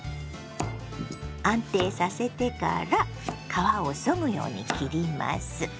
安定させてから皮をそぐように切ります。